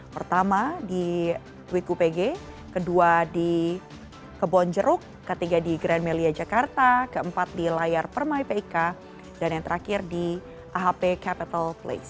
pertama di wiku pg kedua di kebonjeruk ketiga di grand melia jakarta keempat di layar permai pik dan yang terakhir di ahp capital place